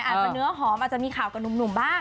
อาจจะเนื้อหอมอาจจะมีข่าวกับหนุ่มบ้าง